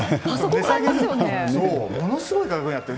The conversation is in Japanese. ものすごい価格になっている。